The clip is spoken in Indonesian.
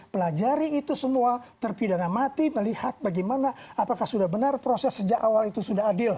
pelajari itu semua terpidana mati melihat bagaimana apakah sudah benar proses sejak awal itu sudah adil